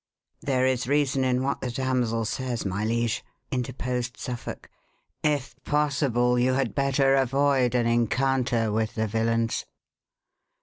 "There is reason in what the damsel says, my liege," interposed Suffolk. "If possible, you had better avoid an encounter with the villains."